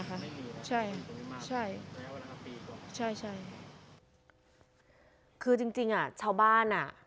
อาถรรป์หรืออะไรอย่างนั้นหรือว่าอาตรรป์เป็นอะไร